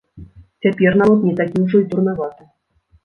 Цяпер народ не такі ўжо і дурнаваты!